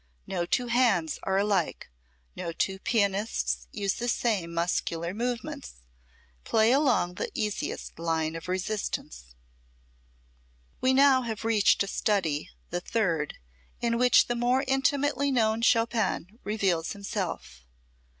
No two hands are alike, no two pianists use the same muscular movements. Play along the easiest line of resistance. We now have reached a study, the third, in which the more intimately known Chopin reveals himself.